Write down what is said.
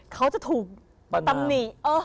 เขาจะถูกตำหนิ